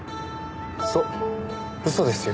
そう嘘ですよ。